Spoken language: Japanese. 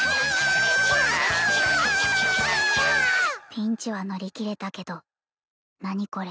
ピンチは乗り切れたけど何これ